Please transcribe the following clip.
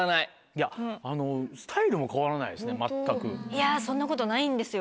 いやそんなことないんですよ。